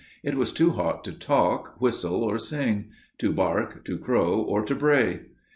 It was too hot to talk, whistle, or sing; to bark, to crow, or to bray.